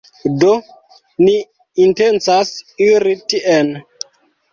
Do, ni intencas iri tien.